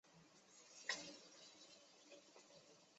月尘可能进入月球车内部并对其设备造成破坏引发故障。